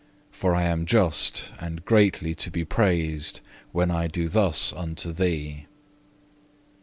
But I am just and greatly to be praised, when I do thus unto thee.